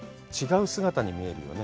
違う姿に見えるよね